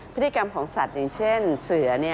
พฤติกรรมของสัตว์อย่างเช่นเสือ